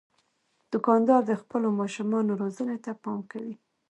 دوکاندار د خپلو ماشومانو روزنې ته پام کوي.